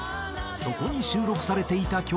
そこに収録されていた曲が。